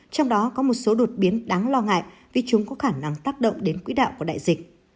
trong đó có một số đột biến đáng lo ngại vì chúng có khả năng tác động đến quỹ đạo của đại dịch